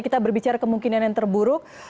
kita berbicara kemungkinan yang terburuk